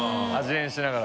変しながら。